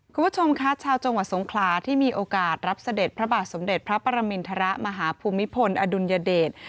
คุณผู้ชมคะชาวจังหวัดสงขลาที่มีโอกาสรับเสด็จพระบาทสมเด็จพระปรมินทรมาฮภูมิพลอดุลยเดช